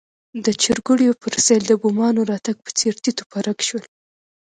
د چرګوړیو پر سېل د بومانو راتګ په څېر تیت و پرک شول.